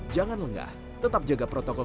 jangan lengah tetap jaga protokol